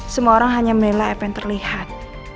semua orang hanya menilai apa yang terlihat